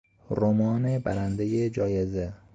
رمان برندهی جایزه